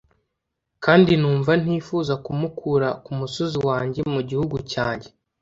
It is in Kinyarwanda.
kandi numva ntifuza kumukura ku musozi wanjye, mu gihugu cyanjye!